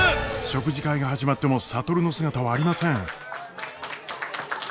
食事会が始まっても智の姿はありません。